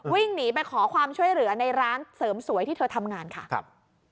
วิ่งหนีไปขอความช่วยเหลือในร้านเสริมสวยที่เธอทำงานค่ะครับ